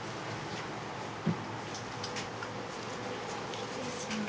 ・失礼します。